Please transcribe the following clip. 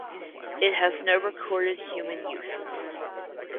It has no recorded human uses.